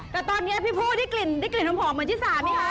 แต่ตอนนี้พี่ฟูที่กลิ่นหอมเหมือนที่สามไหมคะ